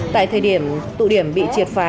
tại thời điểm tụ điểm bị triệt phá